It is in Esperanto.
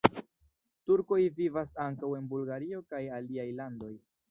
Turkoj vivas ankaŭ en Bulgario kaj aliaj landoj.